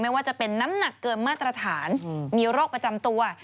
ว่าจะเป็นน้ำหนักเกินมาตรฐานมีโรคประจำตัว